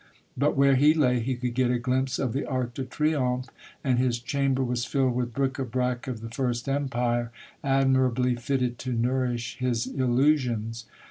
But where he lay, he could get a glimpse of the Arc de Triomphe, and his chamber was filled with bric a brac of the First Empire, ad mirably fitted to nourish his illusions.